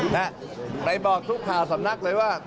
แต่ใครบอกทุกขาสำนักเลยว่า